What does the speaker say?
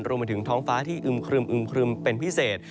รวมไปถึงท้องฟ้าที่อึมครึมครึมเป็นพิเศษ